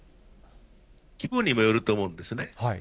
規模にもよると思うんですね。